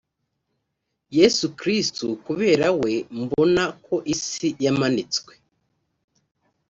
yesu kristo kubera we mbona ko isi yamanitswe